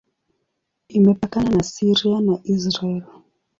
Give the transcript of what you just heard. Imepakana na Syria na Israel.